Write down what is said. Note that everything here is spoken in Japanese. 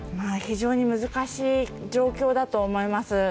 非常に難しい状況だと思います。